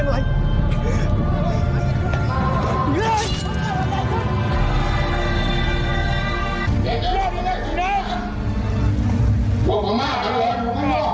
มิจะเชื่อว่าเขากับเราเลยตัวเอง